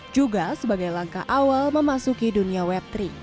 juga sebagai langkah awal memasuki dunia web tiga